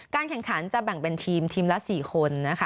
การแข่งขันจะแบ่งเป็นทีมทีมละ๔คน